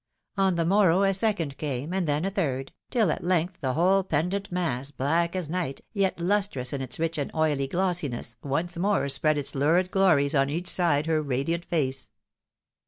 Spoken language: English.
On the morrow a second came, and then a third, tOl at length the whole pendent mass, black as night, yet lustrous in its rich and oily glossiness, once more spread its lurid glories on each side her radiant face.